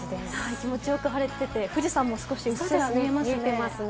気持ちよく晴れていて、富士山も少し薄ら見えますね。